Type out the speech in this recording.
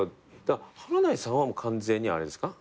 華大さんは完全にあれですか？